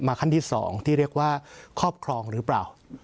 ขั้นที่๒ที่เรียกว่าครอบครองหรือเปล่า